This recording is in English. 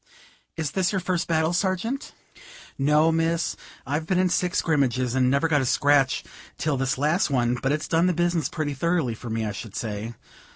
"Is this your first battle, Sergeant?" "No, miss; I've been in six scrimmages, and never got a scratch till this last one; but it's done the business pretty thoroughly for me, I should say.